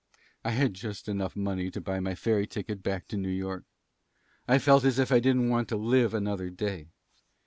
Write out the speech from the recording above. "I had just enough money to buy my ferry ticket back to New York. I felt as if I didn't want to live another day.